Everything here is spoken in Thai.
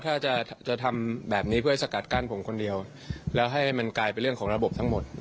ถ้าจะทำแบบนี้เพื่อสกัดกั้นผมคนเดียวแล้วให้มันกลายเป็นเรื่องของระบบทั้งหมด